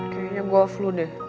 kayaknya gue off lo deh